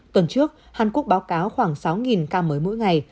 tuần trước hàn quốc báo cáo khoảng sáu ca mới mỗi ngày